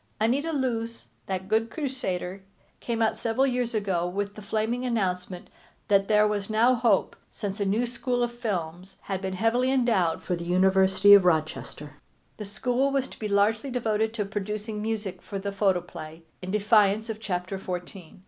Anita Loos, that good crusader, came out several years ago with the flaming announcement that there was now hope, since a school of films had been heavily endowed for the University of Rochester. The school was to be largely devoted to producing music for the photoplay, in defiance of chapter fourteen.